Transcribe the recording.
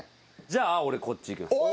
じゃあ俺こっちいきます。